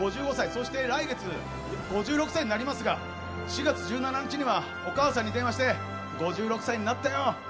そして来月、５６歳になりますが４月１７日にはお母さんに電話して５６歳になったよ！